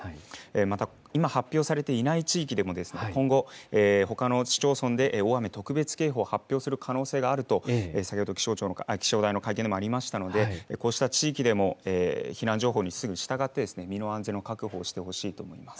また今、発表されていない地域でも、今後、ほかの市町村で大雨特別警報を発表する可能性があると、先ほど気象台の会見でもありましたので、こうした地域でも避難情報にすぐ従って、身の安全を確保してほしいと思います。